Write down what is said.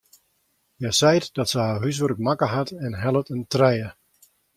Hja seit dat se har húswurk makke hat en hellet in trije.